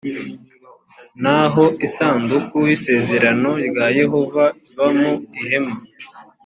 naho isanduku y isezerano rya yehova iba mu ihema